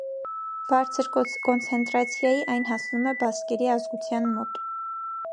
Բարձր կոնցենտրացիայի այն հասնում է բասկերի ազգության մոտ։